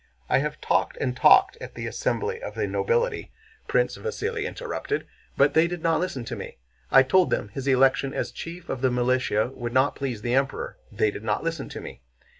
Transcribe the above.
"I have talked and talked at the Assembly of the Nobility," Prince Vasíli interrupted, "but they did not listen to me. I told them his election as chief of the militia would not please the Emperor. They did not listen to me.